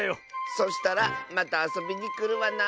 そしたらまたあそびにくるわな。